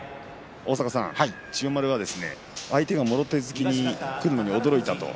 千代丸は、相手がもろ手突きにくるのに驚いたと。